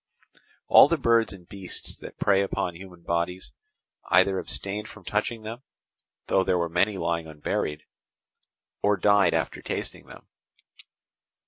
All the birds and beasts that prey upon human bodies, either abstained from touching them (though there were many lying unburied), or died after tasting them.